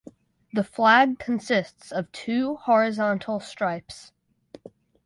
The flag consists of two horizontal stripes.